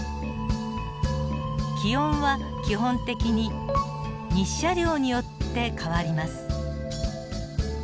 気温は基本的に日射量によって変わります。